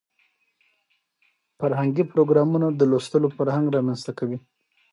فرهنګي پروګرامونه د لوستلو فرهنګ رامنځته کوي.